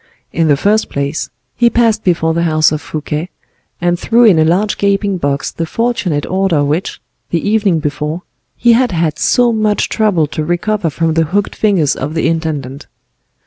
In the first place, he passed before the house of Fouquet, and threw in a large gaping box the fortunate order which, the evening before, he had had so much trouble to recover from the hooked fingers of the intendant.